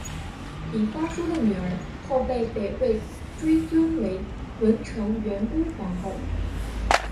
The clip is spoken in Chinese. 李方叔的女儿后被北魏追尊为文成元恭皇后。